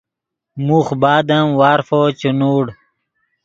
موخ بعد ام وارفو چے نوڑ